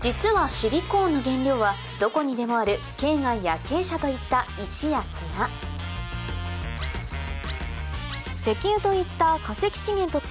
実はシリコーンの原料はどこにでもあるケイ岩やケイ砂といった石や砂石油といった化石資源と違い